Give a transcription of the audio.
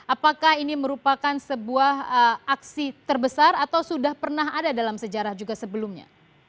apakah ini merupakan sebuah aksi terbesar atau sudah pernah ada dalam sejarah juga sebelumnya